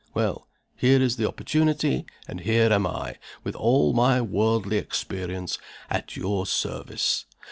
Well, here is the opportunity; and here am I, with all my worldly experience, at your service.